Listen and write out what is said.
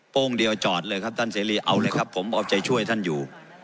โง้งเดียวจอดเลยครับท่านเสรีเอาเลยครับผมเอาใจช่วยท่านอยู่